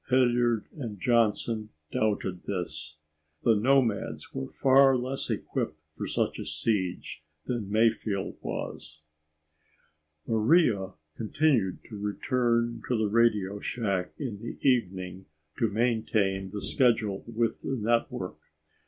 Hilliard and Johnson doubted this. The nomads were far less equipped for such a siege than Mayfield was. Maria continued to return to the radio shack in the evening to maintain the schedule with the network.